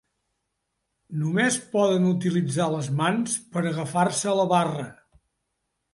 Només poden utilitzar les mans per agafar-se a la barra.